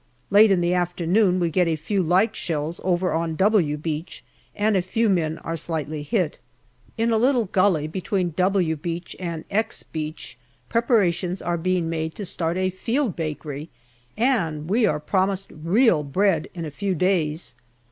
Late in the afternoon we get a few light shells over on " W " Beach and a few men are slightly hit. In a little gully between " W" Beach and " X " Beach preparations are being made to start a field bakery, and we are promised real bread in a few days.